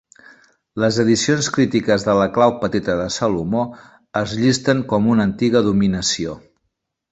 Les edicions crítiques de "La clau petita de Salomó" el llisten com una antiga dominació.